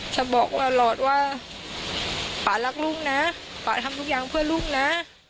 จะบอกตลอดว่าป่ารักลุงนะป่าทำทุกอย่างเพื่อลูกนะ